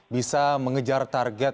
bisa mengejar target